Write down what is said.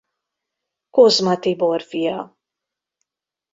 Kozma Tibor fia.